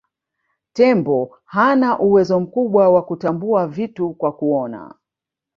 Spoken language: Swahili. tembo hana uwezo mkubwa wa kutambua vitu kwa kuona